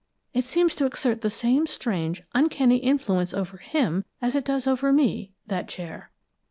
It seems to exert the same strange, uncanny influence over him as it does over me that chair.